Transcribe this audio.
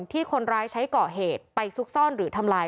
ที่คนร้ายใช้ก่อเหตุไปซุกซ่อนหรือทำลาย